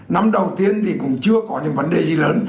năm đầu tiên thì cũng chưa có những vấn đề gì lớn